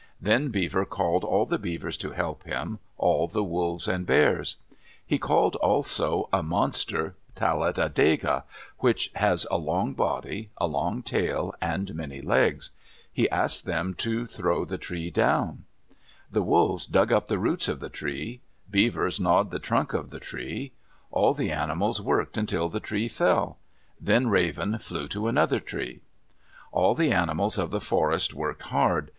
Then Beaver called all the Beavers to help him, all the Wolves and Bears. He called also a monster Talat adega, which has a long body, a long tail, and many legs. He asked them to throw the tree down. The Wolves dug up the roots of the tree, Beavers gnawed the trunk of the tree. All the animals worked until the tree fell; then Raven flew to another tree. All the animals of the forest worked hard.